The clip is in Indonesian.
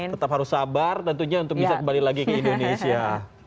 tetap harus sabar tentunya untuk bisa kembali lagi ke indonesia